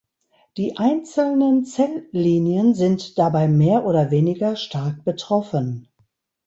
Die einzelnen Zelllinien sind dabei mehr oder weniger stark betroffen.